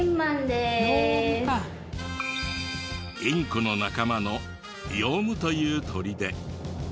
インコの仲間のヨウムという鳥で。